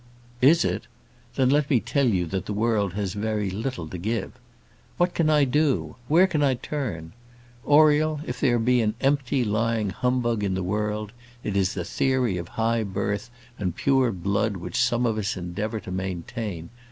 "Is it? Then let me tell you that the world has very little to give. What can I do? Where can I turn? Oriel, if there be an empty, lying humbug in the world, it is the theory of high birth and pure blood which some of us endeavour to maintain.